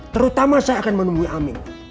terutama saya akan menemui aming